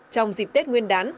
trong dịp tết nguyên đán